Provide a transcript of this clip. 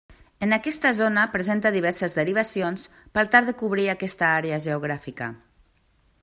En aquesta zona presenta diverses derivacions per tal de cobrir aquesta àrea geogràfica.